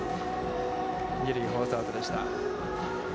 二塁フォースアウトでした。